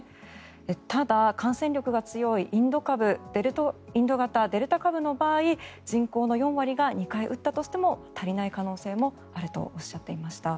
ただ、感染力が強いインド型デルタ株の場合人口の４割が２回打ったとしても足りない可能性もあるとおっしゃっていました。